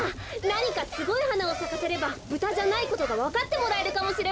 なにかすごいはなをさかせればブタじゃないことがわかってもらえるかもしれません。